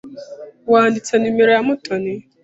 Wanditse numero ya Mutoni?